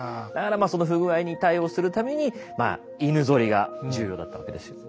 だからその不具合に対応するために犬ゾリが重要だったわけです。